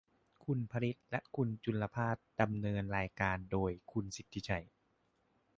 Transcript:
คุณพริษฐ์และคุณจุลภาส ดำเนินรายการโดยคุณสิทธิชัย